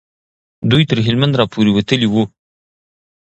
دوی تر هلمند را پورې وتلي وو.